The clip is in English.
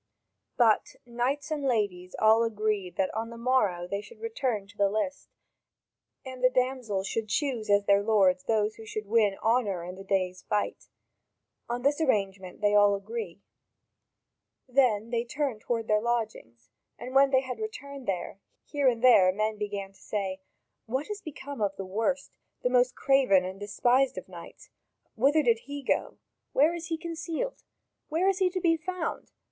But knights and ladies all agreed that on the morrow they should return to the list, and the damsels should choose as their lords those who should win honour in that day's fight: on this arrangement they all agree. Then they turn toward their lodgings, and when they had returned, here and there men began to say: "What has become of the worst, the most craven and despised of knights? Whither did he go? Where is he concealed? Where is he to be found?